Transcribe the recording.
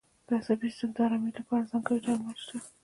د عصبي سیستم د آرامۍ لپاره ځانګړي درمل شته.